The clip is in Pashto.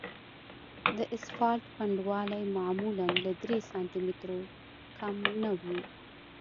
د اسفالټ پنډوالی معمولاً له درې سانتي مترو کم نه وي